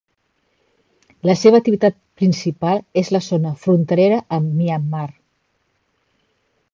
La seva activitat principal és la zona fronterera amb Myanmar.